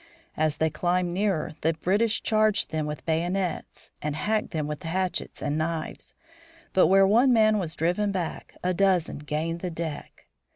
As they climbed nearer, the British charged them with bayonets, and hacked them with hatchets and knives. But where one man was driven back a dozen gained the deck.